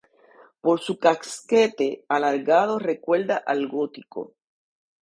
Por su casquete alargado recuerda al gótico.